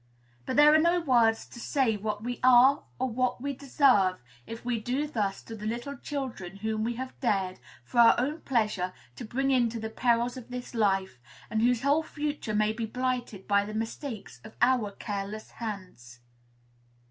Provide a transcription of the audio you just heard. But there are no words to say what we are or what we deserve if we do thus to the little children whom we have dared, for our own pleasure, to bring into the perils of this life, and whose whole future may be blighted by the mistakes of our careless hands.